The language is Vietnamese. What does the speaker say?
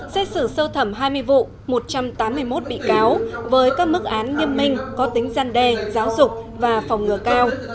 xét xử sơ thẩm hai mươi vụ một trăm tám mươi một bị cáo với các mức án nghiêm minh có tính gian đe giáo dục và phòng ngừa cao